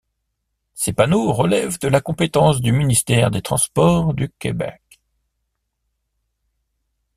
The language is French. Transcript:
Ces panneaux relèvent de la compétence du ministère des Transports du Québec.